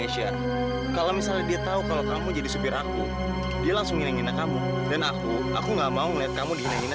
sampai jumpa di video selanjutnya